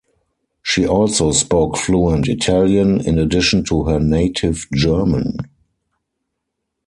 She also spoke fluent Italian in addition to her native German.